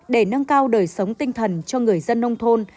để nâng cao đời sống tinh thần cho người dân nông thôn